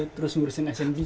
terus ngurusin asean games